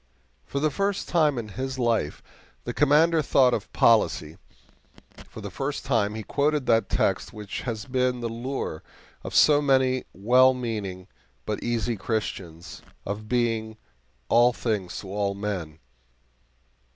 For the first time in his life the Commander thought of policy for the first time he quoted that text which has been the lure of so many well meaning but easy Christians, of being "all things to all men."